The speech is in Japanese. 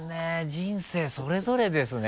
人生それぞれですね。